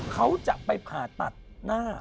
เขาจะไปผ่าตัดหน้า